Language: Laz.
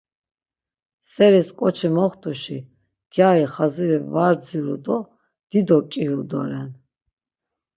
Seris ǩoçi moxtuşi gyari xaziri var dziru do dido ǩiyu doren.